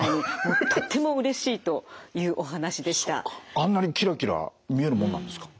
あんなにキラキラ見えるもんなんですか？